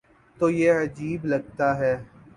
تو یہ عجیب لگتا ہے۔